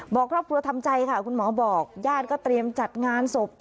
บอกครอบครัวทำใจค่ะคุณหมอบอกญาติก็เตรียมจัดงานศพ